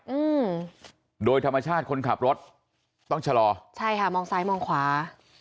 อืมโดยธรรมชาติคนขับรถต้องชะลอใช่ค่ะมองซ้ายมองขวา